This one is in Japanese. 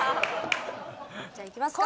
じゃあいきますか。